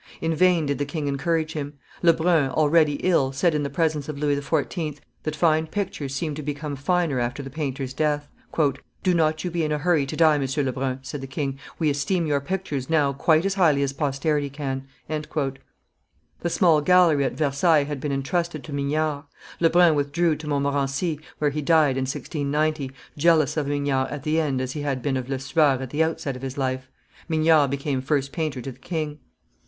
In vain did the king encourage him. Lebrun, already ill, said in the presence of Louis XIV. that fine pictures seem to become finer after the painter's death. "Do not you be in a hurry to die, M. Lebrun," said the king; "we esteem your pictures now quite as highly as posterity can." [Illustration: Perrault 678] The small gallery at Versailles had been intrusted to Mignard. Lebrun withdrew to Montmorency, where he died in 1690, jealous of Mignard at the end as he had been of Lesueur at the outset of his life. Mignard became first painter to the king.